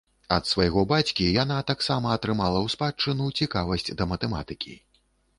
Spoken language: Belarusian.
Ад свайго бацькі яна таксама атрымала ў спадчыну цікавасць да матэматыкі.